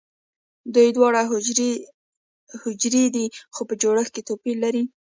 دوی دواړه حجرې دي خو په جوړښت کې توپیر لري